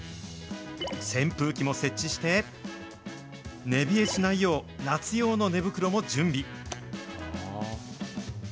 扇風機も設置して、寝冷えしないよう、夏用の寝袋も準備。